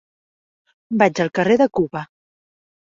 Vaig al carrer de Cuba.